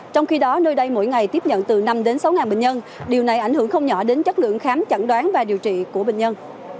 trong khi đó nơi đây mỗi ngày tiếp nhận từ năm đến sáu bệnh nhân điều này ảnh hưởng không nhỏ đến chất lượng khám chẩn đoán và điều trị của bệnh nhân